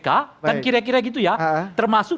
kan kira kira gitu ya termasuk